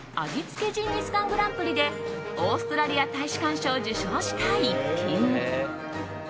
付ジンギスカングランプリでオーストラリア大使館賞を受賞した逸品。